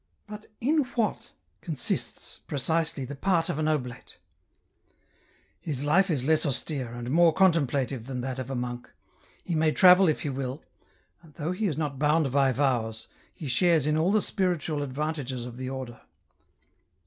" But in what consists, precisely, the part of an oblate ?"" His life is less austere, and more contemplative than that of a monk ; he may travel if he will, and though he is not bound by vows, he shares in all the spiritual advan tages of the order.